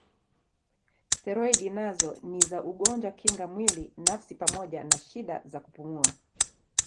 Steroidi nazo ni za ugonjwa kinga mwili nafsi pamoja na shida za kupumua.